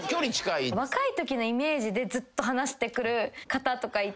若いときのイメージでずっと話してくる方とかいて。